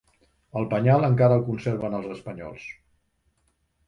El penyal encara el conserven els espanyols.